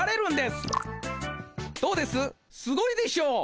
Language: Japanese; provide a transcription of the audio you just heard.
すごいでしょ。